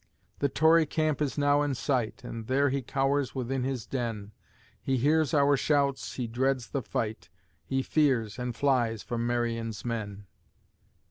The Tory camp is now in sight, And there he cowers within his den; He hears our shouts, he dreads the fight, He fears, and flies from Marion's men.